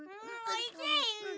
おいしい！